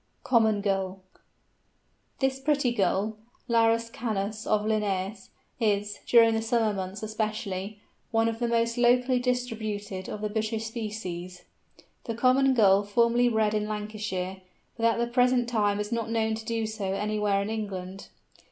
COMMON GULL. This pretty Gull, the Larus canus of Linnæus, is, during the summer months especially, one of the most locally distributed of the British species. The Common Gull formerly bred in Lancashire, but at the present time is not known to do so anywhere in England.